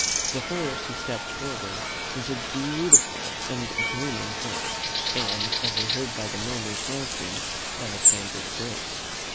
The first who stepped forward was a beautiful and blooming hero, and, as I heard by the murmurs round me, Alexander the Great.